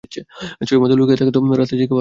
চোরের মত লুকিয়ে তো, রাতে যে কেউ আসতে পারে।